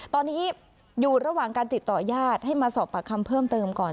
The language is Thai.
ตอนนี้อยู่ระหว่างการติดต่อญาติให้มาสอบปากคำเพิ่มเติมก่อน